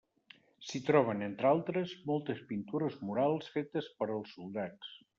S'hi troben, entre altres, moltes pintures murals fetes per als soldats.